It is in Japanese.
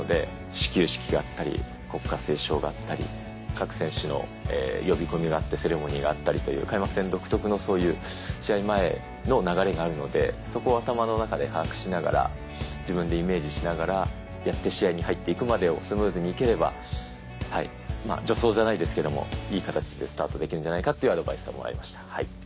始球式があったり国歌斉唱があったり各選手の呼び込みがあってセレモニーがあったりという開幕戦独特のそういう試合前の流れがあるのでそこを頭の中で把握しながら自分でイメージしながらやって試合に入っていくまでをスムーズにいければ助走じゃないですけどもいい形でスタートできるんじゃないかっていうアドバイスをもらいました。